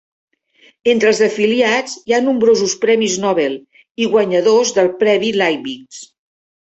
Entre els afiliats hi ha nombrosos premis Nobel i guanyadors de premis Leibniz.